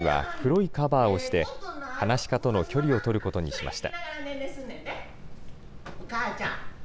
最前列の席は、黒いカバーをして、はなし家との距離を取ることにしました。